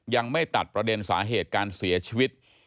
ยังไม่ตัดประเด็นสาเหตุการเสียชีวิต